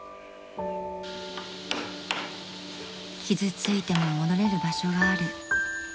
［傷ついても戻れる場所がある］